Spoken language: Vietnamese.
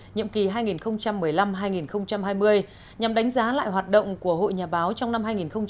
nhiệm kỳ hai nghìn một mươi năm hai nghìn hai mươi nhằm đánh giá lại hoạt động của hội nhà báo trong năm hai nghìn hai mươi